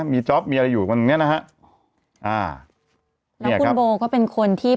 มีมีอะไรอยู่ตรงเนี้ยนะฮะอ่าเนี้ยครับแล้วคุณโบก็เป็นคนที่